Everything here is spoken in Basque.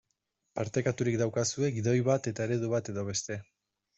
Partekaturik daukazue gidoi bat eta eredu bat edo beste.